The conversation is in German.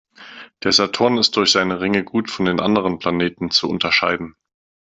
Der Saturn ist durch seine Ringe gut von den anderen Planeten zu unterscheiden.